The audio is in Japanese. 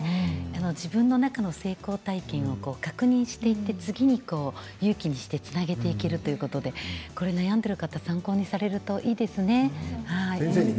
自分の中の成功体験を確認して次に勇気にしてつなげていけるということで悩んでいる方参考にされるといいですね。